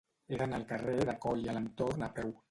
He d'anar al carrer de Coll i Alentorn a peu.